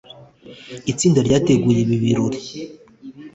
Itsinda ryateguye ibi birori